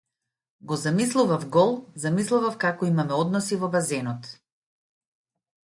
Го замислував гол, замислував како имаме односи во базенот.